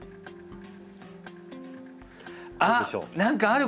あっ何かある！